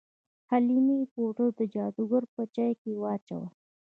حلیمې پوډر د جادوګر په چای کې واچول.